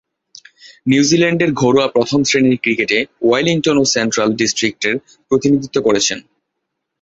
নিউজিল্যান্ডের ঘরোয়া প্রথম-শ্রেণীর ক্রিকেটে ওয়েলিংটন ও সেন্ট্রাল ডিস্ট্রিক্টসের প্রতিনিধিত্ব করেছেন।